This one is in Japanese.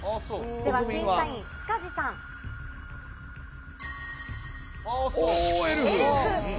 では審査員、塚地さん、エルフ。